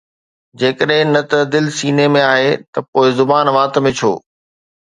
جيڪڏهن نه ته دل سينه ۾ آهي ته پوءِ زبان وات ۾ ڇو؟